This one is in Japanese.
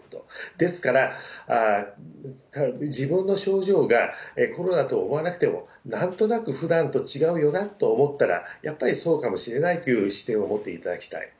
ですから、自分の症状がコロナと思わなくても、なんとなくふだんと違うよなと思ったら、やっぱりそうかもしれないという視点を持っていただきたい。